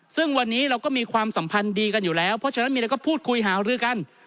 ซึ่งวันนี้เราก็มีความสัมพันธ์ดีกันอยู่แล้วเพราะฉะนั้นมีอะไรก็พูดคุยหารือกัน